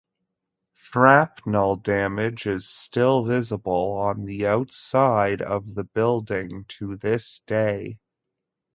Shrapnel damage is still visible on the outside of the building to this day.